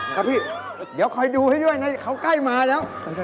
ครับพี่เดี๋ยวคอยดูให้ด้วยนะเขาใกล้มาแล้ว